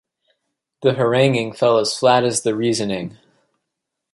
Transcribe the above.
The haranguing fell as flat as the reasoning.